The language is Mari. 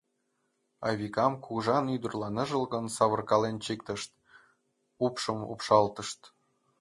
Айвикам кугыжан ӱдырла ныжылгын савыркален чиктышт, упшым упшалтышт.